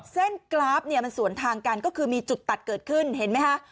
กราฟเนี่ยมันสวนทางกันก็คือมีจุดตัดเกิดขึ้นเห็นไหมคะ